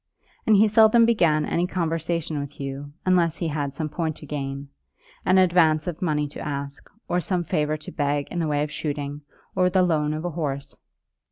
And he seldom began any conversation with Hugh unless he had some point to gain, an advance of money to ask, or some favour to beg in the way of shooting, or the loan of a horse.